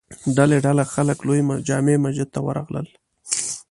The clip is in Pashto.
ډلې ډلې خلک لوی جامع مسجد ته ور راغلل.